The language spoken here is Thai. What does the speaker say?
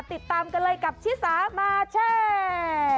ติดตามกันเลยกับชิสามาแชร์